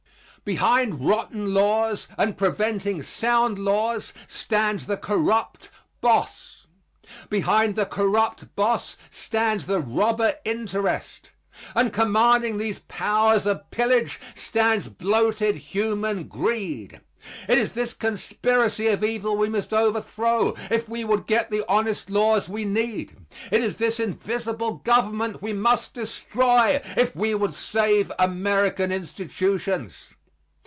Behind rotten laws and preventing sound laws, stands the corrupt boss; behind the corrupt boss stands the robber interest; and commanding these powers of pillage stands bloated human greed. It is this conspiracy of evil we must overthrow if we would get the honest laws we need. It is this invisible government we must destroy if we would save American institutions.